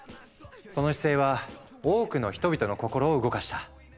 その姿勢は多くの人々の心を動かした。